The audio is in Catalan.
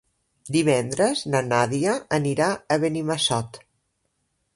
Divendres na Nàdia anirà a Benimassot.